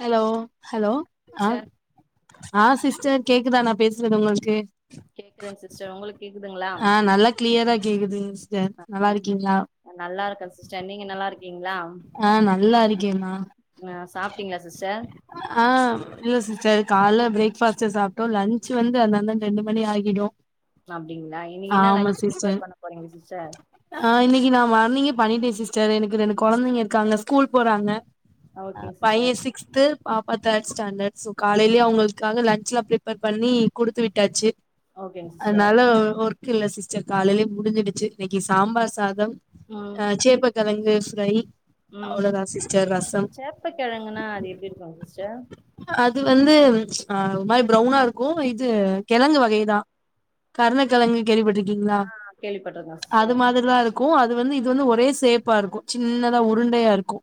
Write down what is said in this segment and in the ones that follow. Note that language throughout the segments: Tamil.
ஹலோ ஹலோ சிஸ்டர் ஆஹ் சீஸ் சார் கேக்குதா நா பேசுறது உங்களுக்கு கேக்குதுங்க சிஸ்டர் உங்களுக் ஆஹ் நல்லா கிளியரா கேக்குதுங்க சிஸ்டர் நல்லாருக்கீங்களா நல்லா இருக்கே சிஸ்டர் நீங்க நல்லா இருக்கீங்களா ஆஹ் நல்லா இருக்கேங்க ஆ சாப்ட்டீங்களா சிஸ்டர் ஆஹ் இல்ல சிஸ்டர் கால்ல பிரேக்ஃபஸ்ட் சாப்ட்டோ லன்ச் வந்து அந்தந்த ரெண்டு மணி ஆகிடு அப்டிங்களா இன்னக்கி என்ன ஆமா லன்சு ப்பிரிப்பர் சிஸ்டர் பண்ண போறீங்க சிஸ்டர் நீங்க பண்ணிட்டே சிஸ்டர் எனக்கு எனக்கு கொழந்தைங்க இருக்காங்க ஸ்கூல் போறாங்க அ ஓகேங்க சிஸ்டர் பையன் சிக்ஸ்து பாப்பா தேர்ட் ஸ்டாண்டர்ட் சோ காலையிலயே அவங்கக்காக லன்ச்லா ப்ரிப்பேர் பண்ணி கொடுத்து விட்டாச்சு ஓகேங்க சிஸ்டர் அதுனால ஒரு இல்ல சிஸ்டர் காலையிலயே முடிஞ்சிடுச்சு இன்னைக்கு சாம்பார் சாதம் ம் அ சேப்ப கலங் [inaudible] ரைய் ம் சேப்ப கிழங்குன்னா அது எப்டி இருக்கும் சிஸ்டர் இது வந்துஅ ஒரு மாரி ப்ரௌவுனா இருக்கும் இது கிழங்கு வகைதான் கருண கிழங்கு கேள்ப்பட்டிருக்கீங்கள ஆ கேள்விப்பட்டிருக்கே அது சிஸ்டர் மாரிதான் இருக் வும் அது வந்து இது வந்து ஒரே சேப்பா ருக்கும் சின்னதா உருண்டையா இருக்கும்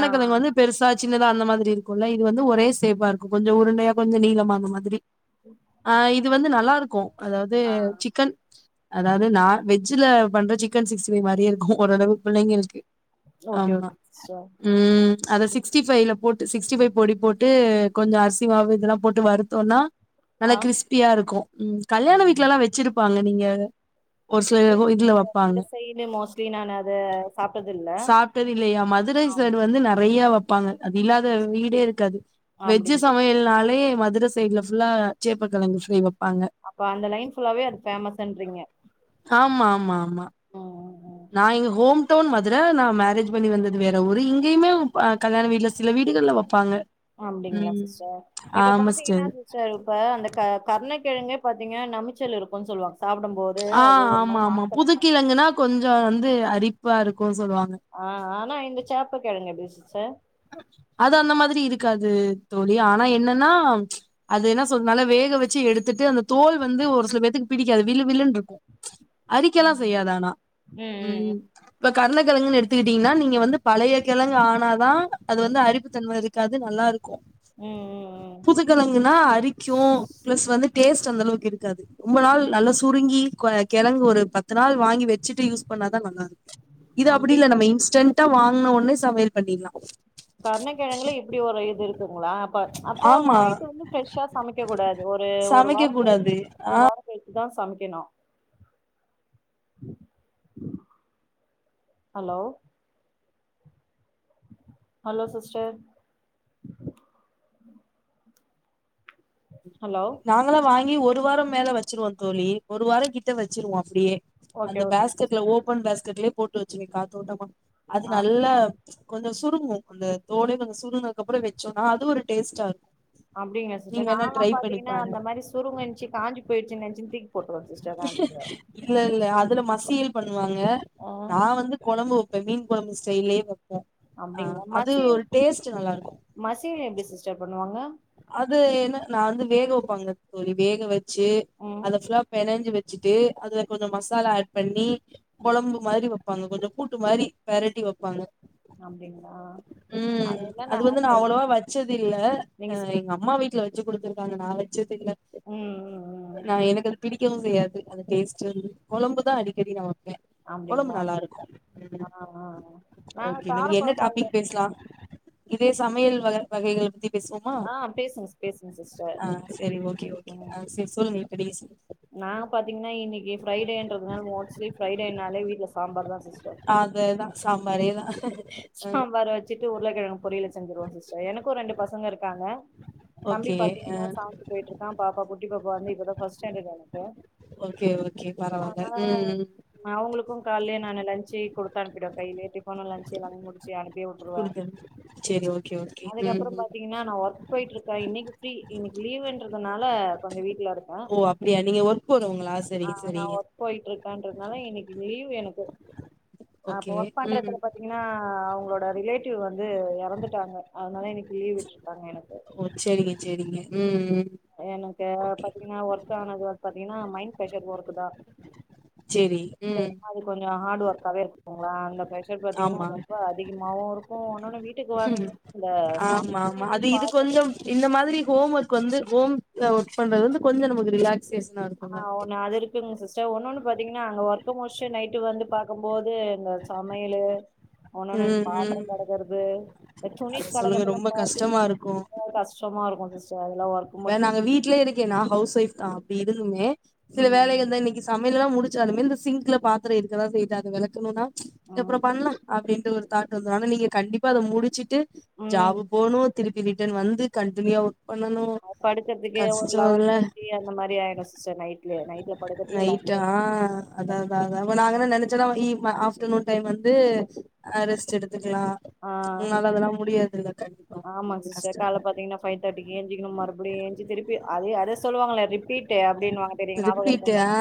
ஆ வந்து பெருசாச் சின்னதா அந்த மாரி இருக்குல்ல இது வந்து ஒரே சேப்பா இருக்கும் கொஞ்சம் உருண்டையா கொஞ்சம் நீளம்மா அந்த மாரி ஆ இது வந்து நல்லா இருக் கோ அதாவது ஆ ஆ சிக்கன் அதாவது நான வெஜ்ஜல பண்ற சிக்கன் சிக்ஸ்டி பை மாரி இருக்கும் ஓரளவு புள்ளைங்களுக்கு ஓகே ஆமா ஓகே சிஸ்டர் ம் அத சிக்ஸ்டிஃபை்ல போட்டு சிக்ஸ்டி ஃபைவ் பொடி போட்டு கொஞ்சம் அரிசிமாவு இதெல்லாம் போட்டு வருத்தோம்ன்னா நல்ல ஆ கிறிஸ்பியா இருக்கும் ம் கல்யாண வீ்ட்ல எல்லாம் வச்சுருப் ப்பான்னுவிங்க இ இந்த சைய்டு மோஸ்லி நான் அதை சாப்பு சாப்பட்டது இல்லையா மதுரை சைடு வந்து நெறை வெயா வைப்பாங்க அது இல்லாத வீடோ இருக்காது வெஜ்ஜு அப்டிங்க சமையல்னாலே மதுர சைடல புல்லா சேப்பக்கிழங்கு சொய்ஒம் அப்ப அந்த லைன் ஃபுல்லாவே அது பேமஸ்ன்றீங்க ம்மா வும்மா நான் இங் ஹோம் டோன் மதுர நான மேரேஜ் பண்ணி வந்தது வேற ஊர் இங்கேயுமே வப்பா கல்யாண வீட்ல சில வீடுகல வைப்பாங்க அப்டிங்களா சிஸ்டர் இப்ப பாத்தீங்கன்னா சிஸ்டர் இப்ப அந்த கர் கர்ண கிழங்குகே பாத்தீங்க நமிச்சல் இருக்கும்னு சொல்லுவாங் ஆஆம்மா ஆம்மா புதுக்கிழங்குன்னா கொஞ் கொஞ்ம் வந்து அரிப்பா இருக்கும் [inaudible] சொல்லுவாங்க ஆ ஆனா இந்த சேப்ப கிழங்க எப்டி சிஸ்டர் அது அந்த மாதிரி இருக்காது தோழி ஆனா என்னன்னா அது என்ன சொல்ற நல்லா வேக வச்சு எடுத்துட்டு அந்த தோல் வந்து ஒரு சில பேத்துக்கு பிடிக்காது விலு விலுன்னு இருக்கும் அரிக்கல்லாம் ம் செய்யாது ஆனா ம் ம் உம் இப்ப கருணைகிழங்குன்னு எடுத்துக்கிட்டீங்கன்னா நீங்க வந்து பழைய கிழங்கு ஆனாதான் அது வந்து அறிப்பு தன்ம இருக்கு காது நல்லா இருக் ம் ம் ம். புதுக்கெழங்குன்னா அரிக்கும் பிளஸ் வந்து டேஸ்ட் ச்சல் அந்த அளவுக்கு இருக்காது ரொம்ப நாள் நல்ல சுருங்கி கிழங்கு ஒரு பத்து நாள் வாங்கி வை வச்சுட்டு யூஸ் பண்ணாதான் நல்லா இருக்கு இது அப்படி அப்டி இல்ல நம்ம இன்ஸன்ட் [unintelligible] வாங்ன உடனே சமையல் பண்ணிடலாம் கருணக்கிழங்கல இப்படி ஒரு இது இருக்குங்களா அப்ப அப்ப ஆமா வாயிட்டு வந்து ப்ரெஷ்ஷா சமைக்க கூடாது ஒரு ஒரு சமைக்க வாரம் கழிச் கூடாது ஒரு வாரம் கழிச்சு தான் சமைக்கணும் ஹலோ ஹலோ சிஸ்டர் ஹலோ நாங்களாம் வாங் யும் ஒரு வாரம் மேல வச்சிருவோம் தோழி ஒரு வாரம் கிட்ட வச்சுருவோம் அப்படியே அந்த ஓகே ஓகேங்க பேஸ்கெட்ல சிஸ்டர் ஓபன் பேஸ் [unintelligible] போடுவச்சுங்க காத்தோட்டமா அது ஆ நல்லா கொஞ்சம் சுருங்கும் அந்த தோலே கொஞ்சம் சுருங்குனக்து அப்புறம் வச்சோம்னா அதுவு ஒரு டேஸ்ட்டா இருக்கும் அப்டிங்லா சிஸ்டர் நா லா பாத்தீங்கன்னா பாருங்க அந்த மாதிரி சுருங்கினுச்சு காஞ்சி போயிடுச்சு [unintelligible] இல்ல இல்ல அதுல மஸ் தீயல் பண் பண்ணுவாங்க நான் வந்து குழம்பு இப்ப மீன் குழம்பு ஸ்டைல்லே அப்படிங்ளா மசியல் நல்லா இருக்கு மசியல் எப்டி சிஸ்டர் பண்ணுவாங்க அது என்னனா வந்து வேக வைப்பாங்க தோழி வேக வச்சு ம் அதை ஃபுல்லா பெனஞ்சு வச்சுட்டு அதுல கொஞ்சம் மசாலா ஆட் பண்ணி ம் குழம்பு மாதிரி வைப்பாங்க கொஞ்சோ கூட்டு மாதிரி பெரட்டி வைப்பாங்க அப்டிங்களா உம் என்னென்ன அது வந்து ஆட் நான் அவ்வளவா பண்ணுவாங்க வச்சது இல்ல நீங்க ஹ சொ எங்க அம்மா வீ்ட்ல வச்சு குடுத்துருக்காங்க நாளைக் துகல ம் ம் ம் நான் எனக்கு அது பிடி வும் செய்யாது அது டேஸ்ட்டு கெழம்புதான் அதி தெரியு உடம்பு அப்டிங்களா நல்லா இருக்கும் ஆ ஆ ஆ. நாங்க ஓகே கார இன்னைக்கு என்ன கொழம்பு டாபிக் பேஸ்லாம் இதே சமையல் வக வகைகள் பத்தி பேசு ஆ பேசுங்க பேசுங்க சிஸ்டர் ஆஹ செரி ஓகே ஓகே ம் செரி சொல்லுங்க கடைசி நாங்க பாத்தீங்கன்னா இன்னைக் இன்னைக்கு ஃப்ரைடேன்றதுனால மோஸ்ட்லி ஃப்ரைடேனாலே வீட்டுல சாம்பார் தான் சிஸ்டர் அதேதா சாம்பாரேதா ஆ அதுதான் சாம்பாரே தான். சாம்பார் வச்சுட்டு உருல கெழங்கு பொரியலு செஞ்ருவோ சிஸ்டர் எனக்கு ரெண்டு பசங்க இருக்காங்க தம்பி ஓகே ஆ பாத்தீங்கன்னா சாப்ட்டு போயிட்டு இருக்கான் பாப்பா குட்டி பா இப்ப வந்து இப்பதான் பஸ் ஸன்டாட் எனக்கு ஓகே ஓகே பரவால்ல ஆனா ம் அவங்களுக்கும் காலே நானு லஞ்ச்சு டீ குடுத்து அனுப்பிட்டாங்க கையிலே டீ போன லஞ்ச் எல்லாமே முடிச்சு போ அனுப்பிவுட்டுருவன் குடுக்குறே சரி ஓகே ஓகே ம் அதுக்கப்புறம் ம் பாத்தீங்கன்னா நா ஒர்க் போய்டு இருக்கேன் இன்னைக்கு ப்ஃரீ இன்னைக்கு லீவு அதுனால கொஞ்ச வீட்டு வீட்ல இருந்த ஓ அப்டியா நீங்க ஒர்க் போறவங்களா சரிங்க நா சரிங்க ஒர்க் போய்டு இருக்கேன்றதுனால இன்னைக்கு லீவ் எனக்கு அப்ப ஓகே ஒர்க் உம் பண்றதுல பாத்தீங்கன்னா அவுங்களோட ரிலேட்டிவ் வந்து எறந்துட்டாங்க அதனால இன்னைக்கு லீவு விட்டுருக்காங்க எனக்கு செரிங்க உம் உம் எனக்கு பாத்தீங்கன்னா ஒர்த்தானது ஒர்த் பாத்தீங்கின்னா மைண்ட் ப்ரஷர் ஒர்க்கு தான் செரி உம் ஹாட் ஓர்காவே ங்களா அந்த பிரஷர் பாத்தீங்கன்னா ஆமா ரொம்ப அதிகமாவும் இருக்கும் உன்னேன்னு வீட்டுக்கு வந்தீங்கன்னா அந்த ஆமா ஆமா சம்பும் அது இது பாத்த கொஞ்சம் இந்த மாதிரி ஹோம் ஒர்க் வந்து ஹோம் ஒர்க் பண்றது வந்து கொஞ்சம் நமக்கு ரிலா ஆஹ ஒன்னு அதுருக்குங்க சிஸ்டர் ஒன்ன ஒண்ணு பாத்தீங்கன்னா அங்க ஸ்ட் நைட்டு வந்து பாக்கும்போது இந்த சமையலு உன்னொன்னு இந்த ம் ம் பாத்திரம் கடக்கறது துணி அத சொல்லுங்க ரொம்ப கடக்கறதெல்லாம் பாத்து கஷ்டமா இருக்கு கஷ்டமா இருக்கும் [unintelligible] இப்ப நாங்க வீட்ல இருக்கேன்னா ஹவுஸ் ஒய்ஃப்தா ப்ப இதுலுமே சில ம் வேலைகள்தா இன்னக்கி சம் வேலையெல்லா முடிச்சாலுமே இந்த சிங்க்ல பாத்ரோ இருக்கதா செய்யுது அது வெளக்கணுன்னா ச் ம் அப்றோ பண்லா அப்டின்ட்டு ஒரு தாட் வந்துரு ஆனா நீங்க கண்டிப்பா அத முடிச்சிட்டு ம் ஜாபு போணுத் திருப்பி ரிட்டன் வந்து கண்டினியுவா ஒர்க் பண்ணனு நா படுக்கறதுக்கே ஒரு லெவன் தேர்ட்டி அந்த மாரி ஆயிடு சிஸ்டர் நைட்லயே நைட்ல படுக்குறதுக்கு லெவன் ரைட் ஆ அதா அதா தேர்ட்டி அதா அப்ப [unintelligible] ஆஃப்டர்நூன் டைம் வந்து ஆ ரெஸ்ட் எடுத் த்துக்கலா ஆ உன்னால அதல்லா முடியாதுங்க ஆமா சிஸ்டர் கால்ல பாத்தீங்கன்னா ஃபைவ் தேர்டிக்கு எந்த்ரிக்கணு மறு அப்டி ஏஞ்ச்சு திருப்பி அது அது சொல்லுவாங்கல்ல ரிப் ட்ரீட்டு அப்டினுவாங்க தெரியுங்களா ஞாபகோ ரிப்பீட்டு இருக்குங்களா ஆ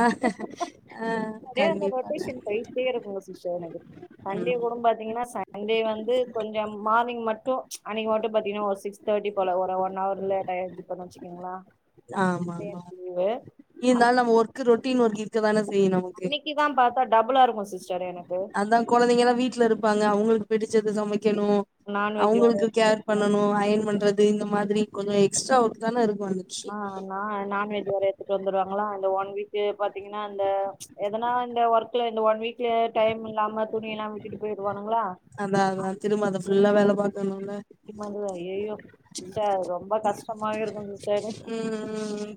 ஆ அப்டியே அந்த கண்டிப்பா ரொட்டேஷன் கண்டிப்பா போயிட்டே இருக்குங்க சிஸ்டர் எனக்கு சண்டே ம் கூட பாத்திங்கன்னா சண்டே வந்து கொஞ்ச மார்னிங் மட்டு அன்னக்கி மட்டு பாத்தீங்கன்னா ஒரு சிக்ஸ் தேர்ட்டி போல ஒரு ஒன் அவர் லேட்டா எந்திருப்பன்னு வச்சுக்கங்களே ஆமாம்மா இருந்தாலு நம்ம ஒர்க்கு ரொட் டீம் ஒர்க் இருக்கதான செ த்தி நமக்கு ப்ப டபுளா இருக்கு சி்ஸ் அதா கொழந்தைங்கல்லா வீட்ல இருப்பாங்க அவுங்களுக்கு பிடிச் ச்சுது சமைக் வக்கிணு நான்வெஜ் வேற அவுங்களுக்கு எடுத்துட்டு கேர் பண்ணணு அயன் பண்றதுக் இது இந்த மாதிரி கொஞ்ச எக்ஸ்ட்ரா ஒர்க்தான இருக் ஆ நா நான்வெஜ் வேற எடுத்துட்டு வந்துருவாங்களா ல்ல ஒன் வீக்கு பாத்தீங்னா அந்த எதனா இந்த ஒர்க்ல இந்த ஒன் வீக்ல டைம் இல்லாம துணி எல்லா விட்டுட்டு போயிருவாங் அதா அதா திரும்ப அத ஃபுல்லா வேல பாக்கணும்ல [unintelligible] ஐயயோ சிஸ்டர் அது ரொம்ப கஷ்டமாவே இருக்கு சிஸ்டர் ம் ம்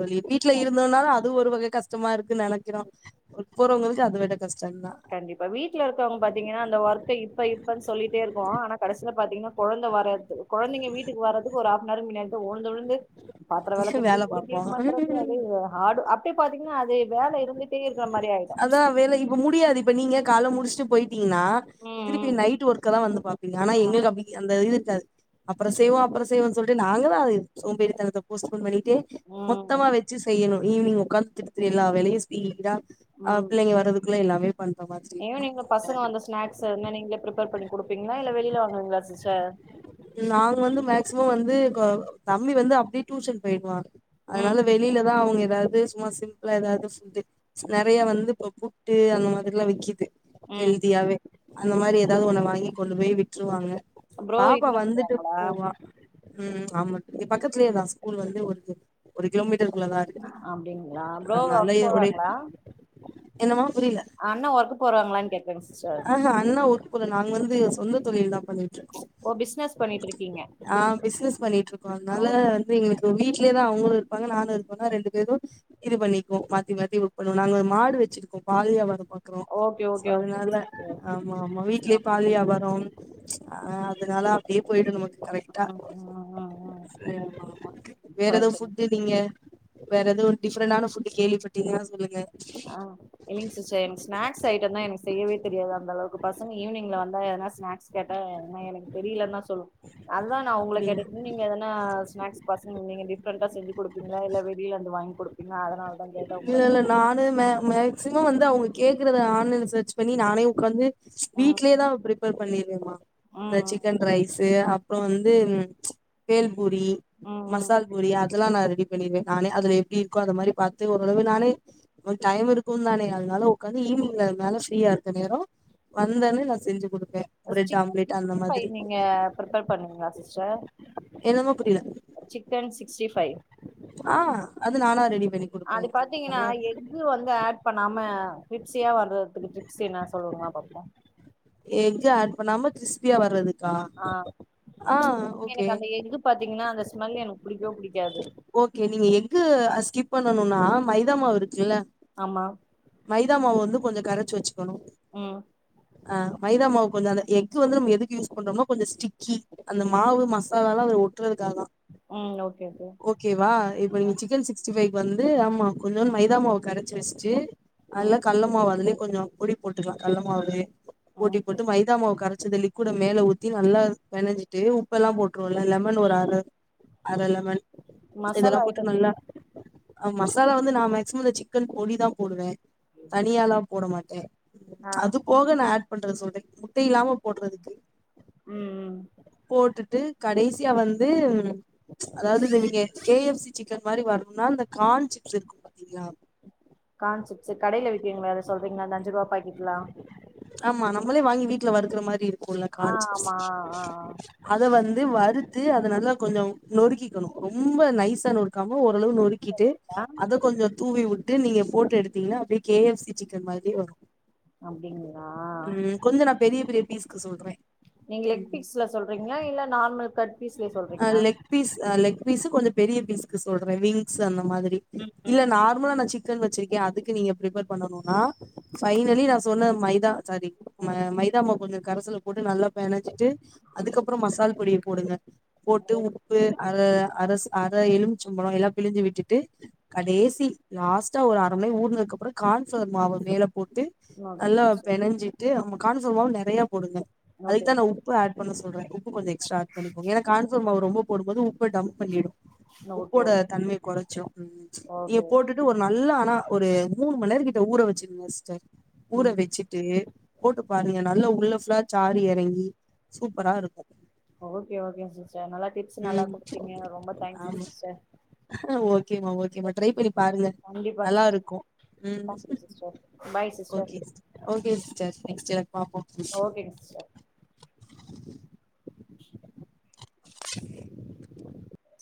சொல்லி வீட்ல இருந்தன்னாலு அது ஒரு வகை கஷ்டமா இருக்குன்னு நெனைக்கிறோ போறவங்களுக்கு அது வெட கஷ்டந்தா வீட்டுல இருகவங்க பாத்தீங்கனா அந்த ஒர்க்க இப்ப இப்ப சொ சொல்லிட்டே இருப்போம் ஆனா கடசி பாத்தீங்கனா குழந்த வராது குழந்தைங்க வீட்டுக்கு வர்றதுக்கு ஒரு ஹாபனர் மின்னடிதான் உழுந்து உழுந்து பாத்ர வேலக்குறது வேல இங்குண்டு பாப்போ கிலின்பன்றது அடு அப் பாத்தீங்கனா அதே வேல இருந்துட்டே இரு அதான் வேல இப்ப முடியாது இப்ப நீங்க கால முடிச்சுட்டு போயிட்டு டிங்கனா திருபி ம் நைட் ஒர்க்லாம் வந்து ஆனா எங்களுகு அப்டிக் அந்த இது அப்பறம் செய்வோம் அப்பறம் செய்வோம்னு சொல்லிட்டு நாங்களும் அது சோம்பேறிதனத்த போஸ்போன் பண்ணி ட்டு ம் மொத்தமா வச்சு செய்யணும் ஈவினிங் உகாந்து திடுத்து எல்லாவெளையும் ஸ்பீட ஆவ பிள்ளங்க வரதுக்குள்ளா எல்லாமே பண்ற மாதிரி இருக்கு ஈவ்னிங்கள பசங்க அந்த ஸ்நாக்ஸ் ஷா நீங்களே பிரிப்பார் பண்ணி கொடுப்பீங்களா இல்ல வெளியில நாங்க வந்து மேக்ஸ்ஷி மாம் வந்து தம்பி வந்து அப்டியே டியூஷன் போயிடுவாங் ம் அதனால வெளியிலதான் அவங்க அதாவது சும்மா சிம்ளா ஏதாவது நிறய வந்து இப்ப புட்டு அந்த மாதிரியெல்லாம் விக்கிது ம் ஹல்தியவே அந்த மாதிரி ஏதாவது உன்ன வாங்கி கொண்டு போய் விட்டுருவாங்க ப்ரோ பாப்பா இட்டுனு வந்துட்டு வந்துருவாங்களா போவா உம் ஆமா பக்கதுலேயேதான் ஸ்கூல் வந்து ஒரு ஒரு கிலோமீட்டர் அப்டிங்களா ப்ரோ ஒக் போவாங்களா என்னவா அண்ணா ஒக்கு போரேவாங்களா கேட்டோம்ஸ் ஆமா அண்ணா ஒர்க் நாங்க வந்து சொந்த தொழில்தான் பண்ணிட்டு இருக்கோம் ஓ பிசினஸ் பண்ணிட்டு இருக்கீங்க ஆஹ் பிசினஸ் வந் பண்ணிட்யிக்கோ அதனால வந்து எங்கட் எங்வீட்லேயே தான் அவங்களும் இருப்பாங்க நானுயிருப்பேனா ரெண்டுபேரும் இது பண்ணிகோம் மாத்தி மாத்தி ஒர்க் பண்ணுவோம் நாங்க மாடு வச்சுருக்கோம் பால்வியாபரம் பண்ணு ஓகே ஓகே ஓகே ஆமா ஆமா வீட்லயே பால் வியாபாரம் ஆஹ் அதனால அப்டியே போயிடும் நமக்கு கரெக்டா ம் ம் ம் ம் வேற சே ஆமா ஆமா ஏதோ பிரச்சன ஃபுட் நீங்க வேற எதவும் ஒரு டிஃப்ரெண்டான ஃபுட் கேள்விப்பட்டீங்கான சொல்லுங்க ஆஹ் இல்லைங்க சிஸ்டர் எனக்கு ஸ்நாக்ஸ் ஐட்டம் தான் எனக்கு செய்யவே தெரியாது அந்த அளவுக்கு பசங்க ஈவினி்ல வந்தா எதனா ஸ்னாக்ஸ் கேட்ட எனக்கு தெரிலன்னு தான் சோ சொல்ல அதுதான் நான் உங்க அப்டியா கேட்டன் நீங்க எதனா ஸ்னாக்ஸ் பசங்க நீ டிஃப்ரெண்டா செஞ்சு கொடுப்பீங்களா இல்ல வெளிலந்து வாங்கி கொடுப் நான் அதனால தான் கேட்டன் இல்ல இல்ல உங்களதானே நானு மே மேக்சிமம் வந்து அவங்க கேட்கறத ஆன்லைன்ல சர்ச் பண்ணி நானே உட்காந்து இச் ம் வீட்லயேதான்ப்ப பர் பண்ணிருவேமா இந்த ம் சிக்கன் ரைஸ் அ அப்றம் வந்து ப்ச் கேள் பூரி ம் ம் மசால் பூரி அதெல்லாம் நான் ரே இப்ப நீ நானே அதுல எப்டி இருக்கோ அது மாரி பாத் ஓரளவு நானே டைம் இருக்குதானே அதனால உக்காந்து ஈவ்னிங் நேரம் ஃபிரியா இருக்குற நேரம் வந்தோனே நான் செஞ்சி கொடு சி சிக்கன் சிக்ச்ட்ரிபைவ் நீங்க பிரிப்பர் பண்ணுவீங்களா சிஸ்டர் என்னாம புரியல சிக்கன் சிக்ச்ட்ரிபைவ் ஆ அது நானா ரெடிப் அது பாத்தீங்கன்னா எங்கு வந்து ஆட் பண்ணாம கிரிப்சியா வர்றதுக்கு டிரிப்சி எதுனா சொல்லுங்கா பாபோம் எகு ஆட் பண்ணாம கிறிஸ்பியா வர்றது ஆஹ் ச் எனக்கு அந்த எக்கு பாத்தீங்கன்னா அந்த ஸ் மல்யனு ஓகே நீங்க எக்கு அ ஸ்கிப் பண்ணனுனா மைதாமாவு இருக்குல்ல ஆமா மைதா மாவ வந்து கொஞ்சம் கரைச்சி வச்சுக்கணும் உம் அஹ் மைதா மாவு கொஞ்சம் அந்த எக்கு வந்து நம்ம எதுக்கு யூஸ் பண்றோம்னா கொஞ்ச ஸ்ட்ரிக்கி அந்த மாவு மசாலால்லாம் அத ஒட்றதுக்கு ம் ஓகே ஓகே ஓகேவா இப்ப நீங்க சிக்கன் சிக்ஸ்டி பை வந்து ஆமா கொஞ்சோண்ட் மைத மாவ கரைச்சு வச்சிட்டு அல்ல ம் கள்ள மாவ அதுல கொஞ்சம் பொடி போட்டுக்கலாம் கால்ல மாவவே பொடி ம் போட்டு மைதா மாவ கறச்சி த லிக்விட மேல ஊத்தி நல்லா பெனஞ்சிட்டு உப்பெல்லாம் போட்ருவோம்லா லெமன் ஒரு அர அர லெமன் மசாலா இதெல்லாம் போட்டு ஐட்டம் நல்லா ஆ மசாலா வந்து நான் மேக்சிமம் இந்த சிக்கன் போடி தான் போடுவேன் தனியாலா கூட மாட்டேன் ஆ அது போக ந பண்றது சொல்லோ இலாம போடுறதுக்கு ம் ம் போட்டுட்டு போட்டு கடைசியா வந்து உ அதாவது நீங்க கே எஃப் சி சிக்கன் மாரி வரணும்னா இந்த கான் சிப்ஸ் இருக்கும் பாத்தீங்களா கான்செப்ஸ் கடையில விற்கீங்களா சொல்றீங்களா அஞ்சுரூபா பாக்கெட்லாம் ஆமா நம்மளே வாங்கி வீட்டுல வருகுற மாரி இருக்கு இருக்குலா ஆ ஆமா ஆ ஆ கான்சிப்ஸ்அத வந்து வந்து வறுத்து அத நல்ல கொஞ்சம் நொறுக்கிக்கணும் ரொம்ப நைச நொறுக்காம ஒரு அளவு நறுக்கிட்டு ஆ அத கொஞ்சம் தூவி விட்டு நீங்க போட்டு எடுத்தீங்கன்னா அப்படியே கே எஃப் சி சிக்கன் மாரி வரும் அப்டிங்களா ம் கொஞ்சம் நான் பெரிய பெரிய பீஸுக்கு சொல்றேன் நீங்க லெக்பீஸ்லசொல்றீங்கல இல்ல நார்மல் கட் பீஸ்ல அ சொல்றீங்களா லெக் பீஸ் லெக் பீஸ்சு கொஞ்சம் பெரிய பீஸ்க்கு சொல்றேன் விங்ஸ் மாதிரி ம் ம் இல்ல நார்மலா சிக் சிக்கன் வச்சிருக்கேன் அதுக்கு நீங்க பிரிப்பர் பண்ணனும்னா பைனலி நான் சொன்ன மைதா சரி ம் மைதாம கொஞ்ச கரைசல போட்டு நல்லா பேணஞ்சிட்டு அதுக்கப்புறம் மசால் பொடியை போடுங்க போட்டு உப்பு அர அ அர எலுமிச்சம்பளம் எல்லாம் பிழிஞ்சு விட்டுட்டு கடைசி லாஸ்ட்டா ஒரு அர மணி ஊடுனதுக்குப்புறம் கான்ஃபளர் மாவு மேல போட்டு ஓகே நல்லா சிஸ்டர் பேனஞ்சிட்டு கான்பிளவர் மாவு நெறைய கொடுங்க ஓகே அதுக்குதான் நான் உப்பு ஆட் பண்ண சொல்றேன் உப்பு கொஞ்சம் எக்ஸ்ட்ராபன்னிங்கேங்க எனக்கு அவ ரொம்ப போடும் போது உப்ப டம்ப் பண்ணிடும் ஓகே ஓகே உப்போட ஓகே தன்மைை குறைச்சும் நீங்க ஓகே ஓகே. போட்டுட்டு ஒரு நல்ல ஆனா ஒரு மூணு மணி கிட்ட ஊற வச்சிருக்கங்க சிஸ்டர் ஊற ம் வச்சிட்டு போட்டு பாருங்க நல்லா உள்ள புல்லா சாருஇறங்கி சூப்பரா இருக்கும் ஓகே ஓகே சி ம் தேங்க்ஸ் ஆமா சிஸ்டர் ஓகேமா ஓகேமா ரைபண்ணி பாருக கண்டிப்பாங்க நல்லா சிஸ்டர் இருக்கும் ம் thank you sister bye sister okay sis okay sis [inaudible] [inaudible] பாப்பம் புஷ் ஓகேங்க சிஸ்டர் [unintelligible]